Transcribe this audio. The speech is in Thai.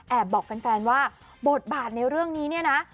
บอกแฟนว่าบทบาทในเรื่องนี้เนี่ยนะ